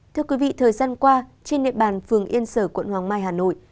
thưa quý vị thời gian qua trên địa bàn phường yên sở quận hoàng mai hà nội